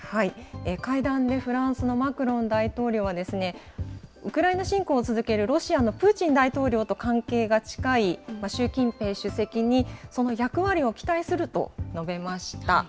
会談でフランスのマクロン大統領は、ウクライナ侵攻を続けるロシアのプーチン大統領と関係が近い習近平主席にその役割を期待すると述べました。